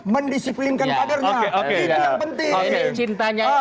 mendisiplinkan padernya itu yang penting